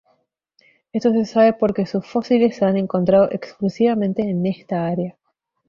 Esto se sabe porque sus fósiles se han encontrado exclusivamente en esta área.